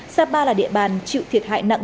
sapa là địa bàn chịu thiệt hại nặng